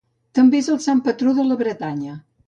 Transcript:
També és el sant patró de la Bretanya.